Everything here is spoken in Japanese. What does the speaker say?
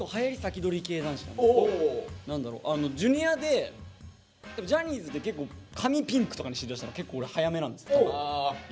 Ｊｒ．でジャニーズで結構髪ピンクとかにしだしたの結構俺早めなんです多分。